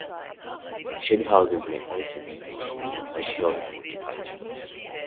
Shade houses may also be used in commercial horticulture.